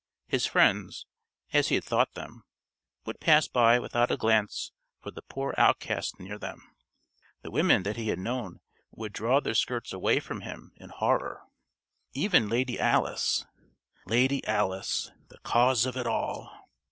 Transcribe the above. His friends (as he had thought them) would pass by without a glance for the poor outcast near them. The women that he had known would draw their skirts away from him in horror. Even Lady Alice Lady Alice! The cause of it all!